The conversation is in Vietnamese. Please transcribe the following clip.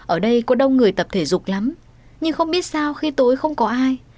ở đây có đông người tập thể dục lắm nhưng không biết sao khi tối không có ai